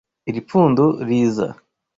Iri pfundo riza.